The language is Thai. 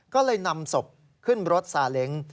ก็เลยนำศพขึ้นรถซาเล้ง